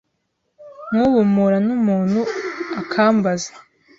Nk’ubu mpura n’umuntu akambaza